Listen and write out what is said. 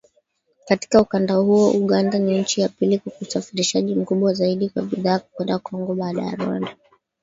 Katika ukanda huo Uganda ni nchi ya pili kwa usafirishaji mkubwa zaidi wa bidhaa kwenda Kongo baada ya Rwanda